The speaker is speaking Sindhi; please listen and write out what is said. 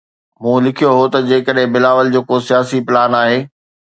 مون لکيو هو ته جيڪڏهن بلاول جو ڪو سياسي پلان آهي.